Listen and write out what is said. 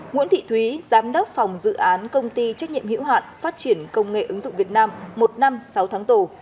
nguyễn thị thúy giám đốc phòng dự án công ty trách nhiệm hiểu hạn phát triển công nghệ ứng dụng việt nam một năm sáu tháng tù